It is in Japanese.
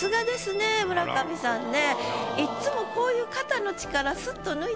村上さんね。